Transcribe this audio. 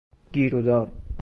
گیر و دار